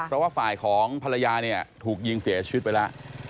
เพราะว่าฝ่ายของภรรยาเนี่ยถูกยิงเสียชีวิตไปแล้ว